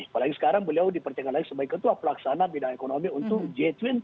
apalagi sekarang beliau dipertimbangkan sebagai ketua pelaksanaan bidang ekonomi untuk j dua puluh